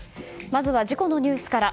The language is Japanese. まずは事故のニュースから。